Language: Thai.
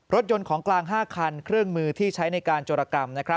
รถยนต์ของกลาง๕คันเครื่องมือที่ใช้ในการโจรกรรม